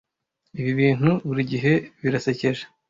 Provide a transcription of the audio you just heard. ibi bintu buri gihe birasekeje